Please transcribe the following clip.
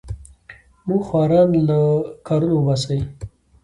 موږ خواران له کارونو وباسې.